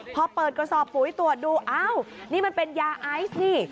พอเปิดกระสอบปุ๋ยตรวจดูอ้าวนี่มันเป็นยาไอซ์นี่